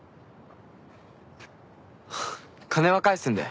金は返すんで。